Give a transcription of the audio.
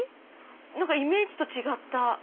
イメージと違った！